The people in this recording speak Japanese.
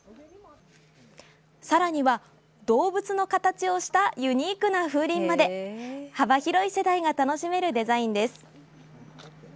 さらには動物の形をしたユニークな風鈴まで幅広い世代が楽しめるデザインです。